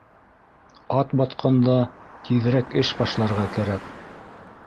Атбатҡанда тиҙерәк эш башларға кәрәк